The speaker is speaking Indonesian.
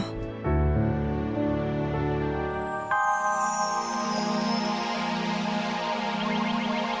sampai jumpa lagi